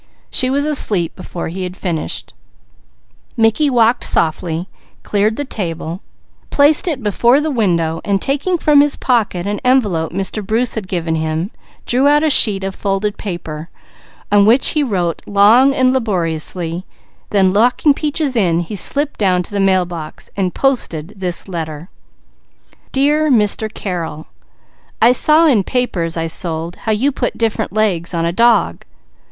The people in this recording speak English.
She was asleep before he finished. Mickey walked softly, cleared the table, placed it before the window, and taking from his pocket an envelope Mr. Bruce had given him drew out a sheet of folded paper on which he wrote long and laboriously, then locking Peaches in, he slipped down to the mail box and posted this letter: DEAR MISTER CARREL: _I saw in papers I sold how you put different legs on a dog.